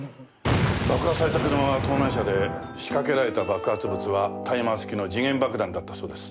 爆破された車は盗難車で仕掛けられた爆発物はタイマー式の時限爆弾だったそうです。